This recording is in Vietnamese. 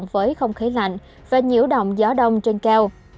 với không khí lạnh và nhiễu động gió đông trên cao